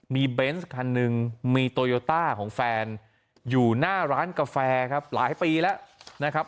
มีเบนส์คันหนึ่งมีโตโยต้าของแฟนอยู่หน้าร้านกาแฟครับหลายปีแล้วนะครับ